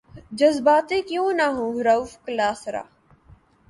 جذباتی کیوں نہ ہوں رؤف کلاسرا